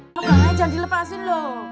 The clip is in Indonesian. jangan dilepasin loh